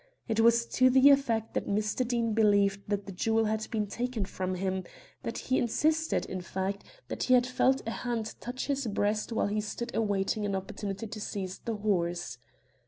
It was to the effect that Mr. Deane believed that the jewel had been taken from him; that he insisted, in fact, that he had felt a hand touch his breast while he stood awaiting an opportunity to seize the horse.